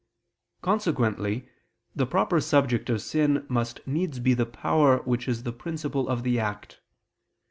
Consequently the proper subject of sin must needs be the power which is the principle of the act.